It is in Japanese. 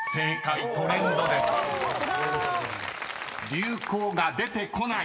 ［「流行」が出てこない。